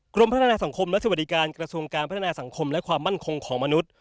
กรมพัฒนาสังคมและสวัสดิการกระทรวงการพัฒนาสังคมและความมั่นคงของมนุษย์